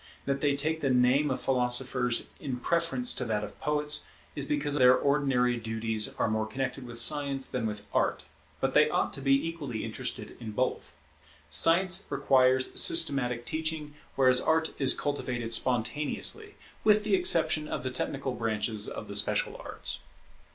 That they take the name of philosophers in preference to that of poets, is because their ordinary duties are more connected with Science than with Art but they ought to be equally interested in both. Science requires systematic teaching, whereas Art is cultivated spontaneously, with the exception of the technical branches of the special arts.